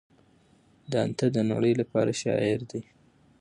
دانته د نړۍ لپاره شاعر دی.